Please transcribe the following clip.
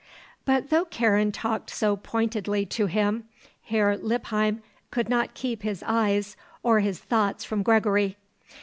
But though Karen talked so pointedly to him, Herr Lippheim could not keep his eyes or his thoughts from Gregory.